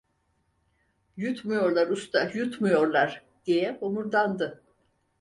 Yutmuyorlar usta, yutmuyorlar! diye homurdandı.